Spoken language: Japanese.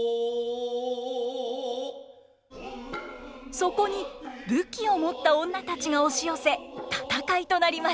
そこに武器を持った女たちが押し寄せ戦いとなります。